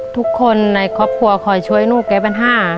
ทุกคนในครอบครัวคอยช่วยหนูแก้ปัญหา